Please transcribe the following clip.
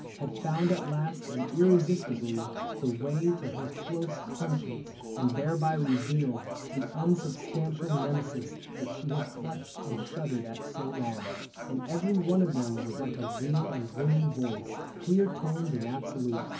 Had found at last and irresistibly The way to her close conscience, and thereby Revealed the unsubstantial Nemesis That she had clutched and shuddered at so long; And every one of them was like a real And ringing voice, clear toned and absolute.